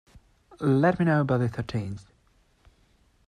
Let me know by the thirteenth.